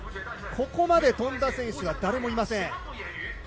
ここまで飛んだ選手は誰もいません。